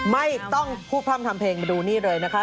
ไม่ต้องพูดพร่ำทำเพลงมาดูนี่เลยนะคะ